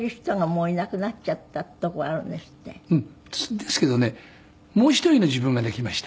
ですけどねもう一人の自分ができました。